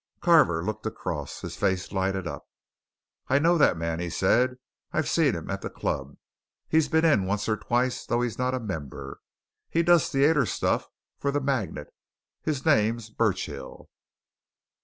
Carver looked across. His face lighted up. "I know that man," he said. "I've seen him at the club he's been in once or twice, though he's not a member. He does theatre stuff for the Magnet. His name's Burchill."